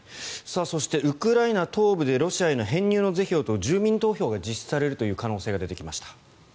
そして、ウクライナ東部でロシアへの編入の是非を問う住民投票が実施される可能性が出てきました。